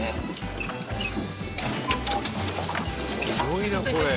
すごいなこれ。